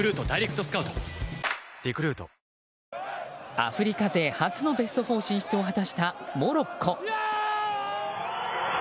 アフリカ勢初のベスト４進出を果たしたモロッコ。